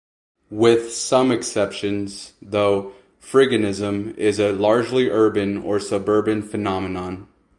With some exceptions, though, freeganism is a largely urban or suburban phenomenon.